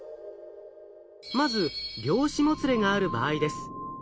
まず量子もつれがある場合です。